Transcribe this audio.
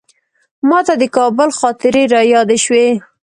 ماته د کابل خاطرې رایادې شوې.